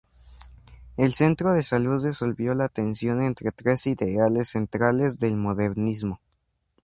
El centro de salud resolvió la tensión entre tres ideales centrales del modernismo.